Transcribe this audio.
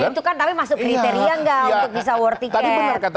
itu kan tapi masuk kriteria nggak untuk bisa war ticket